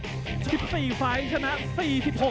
คนนี้มาจากอำเภออูทองจังหวัดสุภัณฑ์บุรีนะครับ